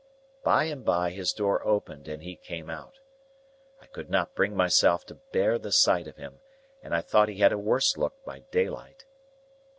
By and by, his door opened and he came out. I could not bring myself to bear the sight of him, and I thought he had a worse look by daylight.